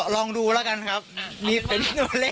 ลองดูแล้วกันครับนี่เป็นตัวเลข